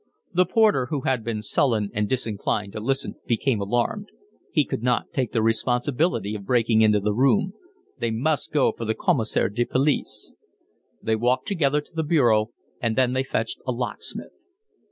The porter, who had been sullen and disinclined to listen, became alarmed; he could not take the responsibility of breaking into the room; they must go for the commissaire de police. They walked together to the bureau, and then they fetched a locksmith.